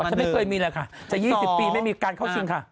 อ๋อจะไม่เคยมีอะไรค่ะจะ๒๐ปีไม่มีการเข้าชิงค่ะ